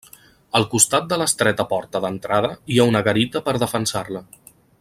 Al costat de l'estreta porta d'entrada hi ha una garita per defensar-la.